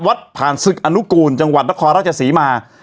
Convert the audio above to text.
วัดผ่านศึกอนุคูณจังหวัดตะคอราชสีมา